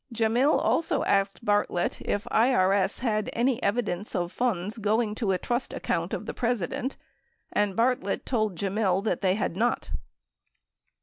* Gemmill also asked Bartlett if IRS had any evidence of funds going to a trust account of the President, and Bartlett told Gemmill that they had not.